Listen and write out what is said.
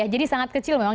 jadi sangat kecil memang